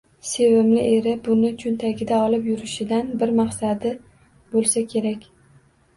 Sevimli eri buni cho'ntagida olib yurishidan bir maqsadi bo'lsa kerak